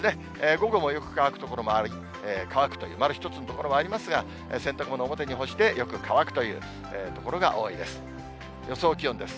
午後もよく乾く所もあり、乾くという、丸１つの所もありますが、洗濯物、表に干して、よく乾くという所が多いです。